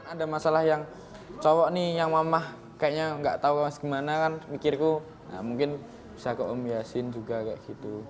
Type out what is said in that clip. ada masalah yang cowok nih yang mamah kayaknya nggak tahu mas gimana kan mikirku mungkin bisa ke om yasin juga kayak gitu